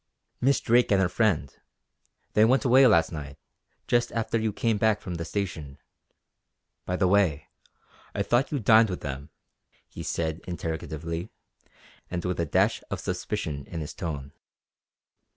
"Miss Drake and her friend. They went away last night, just after you came back from the station. By the way, I thought you dined with them?" he said interrogatively, and with a dash of suspicion in his tone.